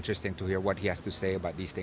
terutama karena dia akan mengatakan hal ini di depan